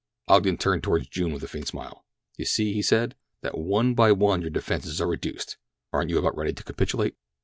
Ogden turned toward June with a faint smile. "You see," he said, "that one by one your defenses are reduced—aren't you about ready to capitulate?"